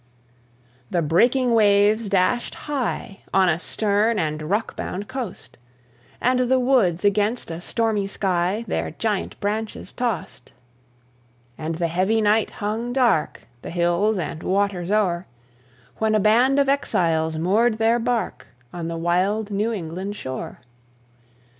The breaking waves dashed high On a stern and rock bound coast, And the woods against a stormy sky Their giant branches tossed. And the heavy night hung dark The hills and waters o'er, When a band of exiles moored their bark On the wild New England shore.